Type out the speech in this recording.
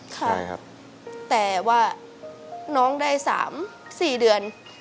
ค่ะแต่ว่าน้องได้๓๔เดือน